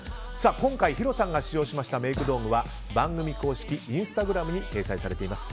今回、ヒロさんが使用しましたメイク道具は番組公式インスタグラムに掲載されています。